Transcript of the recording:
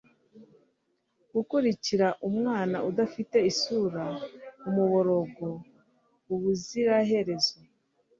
gukurikira umwana udafite isura-umuborogo ubuziraherezo